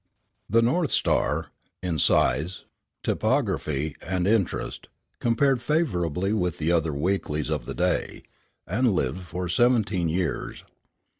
The North Star, in size, typography, and interest, compared favorably with the other weeklies of the day, and lived for seventeen years.